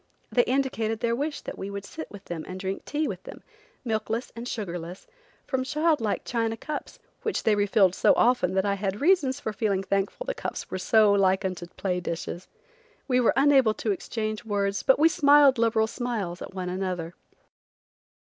They indicated their wish that we should sit with them and drink tea with them, milkless and sugarless, from child like China cups, which they re filled so often that I had reasons for feeling thankful the cups were so like unto play dishes. We were unable to exchange words, but we smiled liberal smiles, at one another.